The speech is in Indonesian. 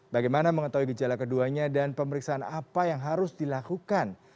bagaimana mengetahui gejala keduanya dan pemeriksaan apa yang harus dilakukan